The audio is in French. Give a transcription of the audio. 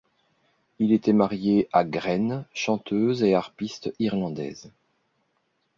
Il était marié à Gráinne, chanteuse et harpiste irlandaise.